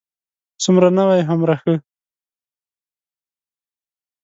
څومره نوی، هومره ښه.